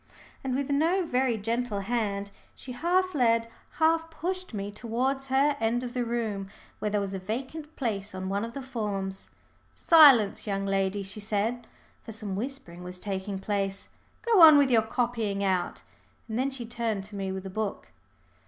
And with no very gentle hand, she half led, half pushed me towards her end of the room, where there was a vacant place on one of the forms. "Silence, young ladies," she said, for some whispering was taking place. "Go on with your copying out." And then she turned to me with a book.